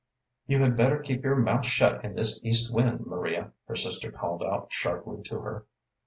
"You had better keep your mouth shut in this east wind, Maria," her sister called out sharply to her.